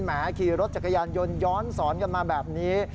ขี่รถจักรยานยนต์ย้อนสอนกันมาแบบนี้